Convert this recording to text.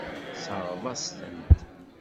Tesseṛɣeḍ-as-tent.